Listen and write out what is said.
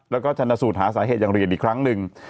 แล้วก็ชนสูตรหาสาเหตุอย่างละเอียดอีกครั้งหนึ่ง